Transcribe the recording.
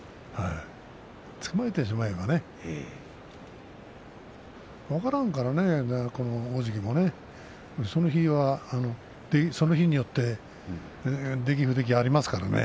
つかまえてしまえば分からんからね、この大関もその日によって出来不出来がありますからね。